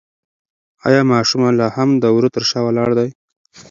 ایا ماشوم لا هم د وره تر شا ولاړ دی؟